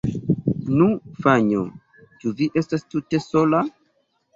Nu, Fanjo, ĉu vi estas tute sola?